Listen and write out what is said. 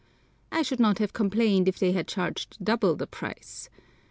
I should not have complained if they had charged double the price.